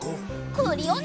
クリオネ！